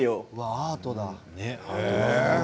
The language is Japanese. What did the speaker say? アートだ。